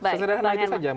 sesederhana itu saja